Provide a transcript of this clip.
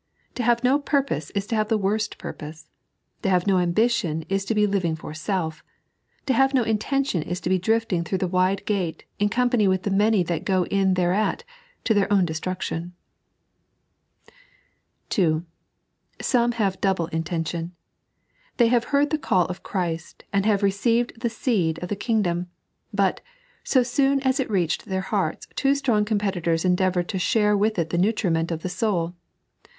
To have no purpose is to have the worst puipose ; to have no ambition is to be living for self ; to have no intention is to be drifting through the wide gate, in com pany with the many that go in thereat, to their own (2) Some have a double inlmtion. They have heard the call of Christ, and have received the seed of the king dom ; but, BO soon as it reached their hearts, two strong competitors endeavoured to share with it the nutriment of the soul.